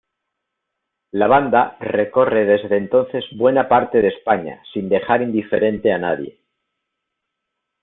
La banda recorre desde entonces buena parte de España sin dejar indiferente a nadie.